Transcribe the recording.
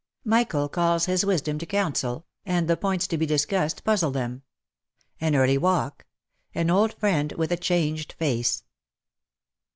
MICHAEL CALLS HIS WISDOM TO COUNCIL, AND THE POINTS TO BE DISCUSSED PUZZLE THEM AN EARLY WALK AN OLD FRIEND WITH A CHANGED FACE.